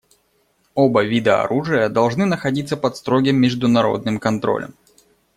Оба вида оружия должны находиться под строгим международным контролем.